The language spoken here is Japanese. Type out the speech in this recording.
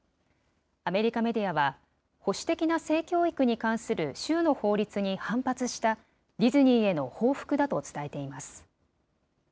アメリカメディアは、保守的な性教育に関する州の法律に反発した、ディズニーへの報復だと伝えています。